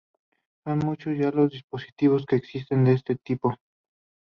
Son muchos ya los dispositivos, que existen de este tipo.